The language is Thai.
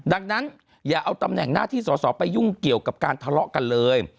ดังนั้นอย่าเอาตำแหน่งหน้าที่สอสอไปยุ่งเกี่ยวกับการทะเลาะกันเลย